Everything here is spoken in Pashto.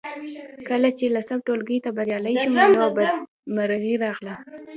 کله چې لسم ټولګي ته بریالۍ شوم نو بدمرغۍ راغلې